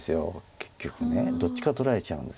結局どっちか取られちゃうんです。